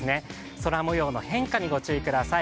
空もようの変化にご注意ください。